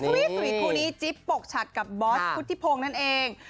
สตรีทคู่นี้จิ๊บปกฉัดกับบอสพุทธิพงศ์นั่นเอง